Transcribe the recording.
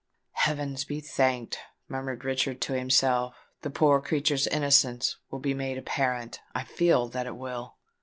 "Heaven be thanked!" murmured Richard to himself: "the poor creature's innocence will be made apparent—I feel that it will!"